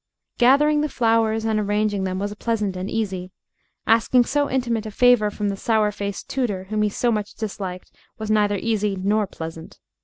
Gathering the flowers and arranging them was pleasant and easy. Asking so intimate a favor from the sour faced tutor whom he so much disliked was neither easy nor pleasant.